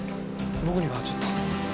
僕にはちょっと。